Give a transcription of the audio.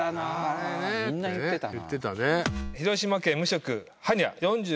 みんな言ってたな。